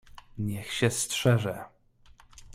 "Niech się strzeże!"